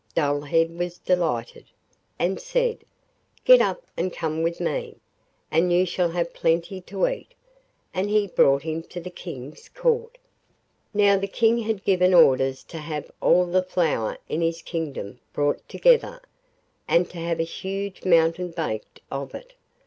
Dullhead was delighted, and said: 'Get up and come with me, and you shall have plenty to eat,' and he brought him to the King's Court. Now the King had given orders to have all the flour in his kingdom brought together, and to have a huge mountain baked of it.